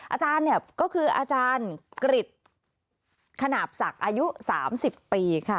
อาจารย์เนี่ยก็คืออาจารย์กริจขนาบศักดิ์อายุ๓๐ปีค่ะ